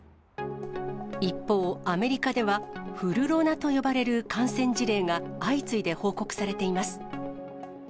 一方、アメリカではフルロナと呼ばれる感染事例が相次いで報告されています。